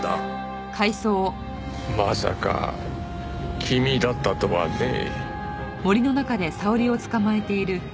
まさか君だったとはねえ。